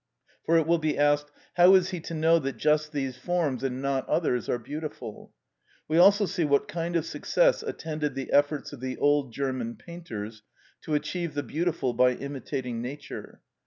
For it will be asked, how is he to know that just these forms and not others are beautiful? We also see what kind of success attended the efforts of the old German painters to achieve the beautiful by imitating nature.